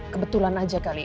kebetulan aja kali